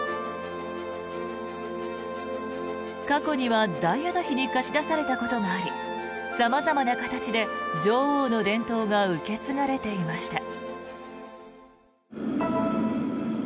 過去にはダイアナ妃に貸し出されたことがあり様々な形で女王の伝統が受け継がれていました。